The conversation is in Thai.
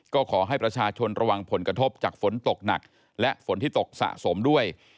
ก็ขอให้ประชาชนระวังผลกระทบจากฝนตกหนักและฝนที่ตกสะสมด้วย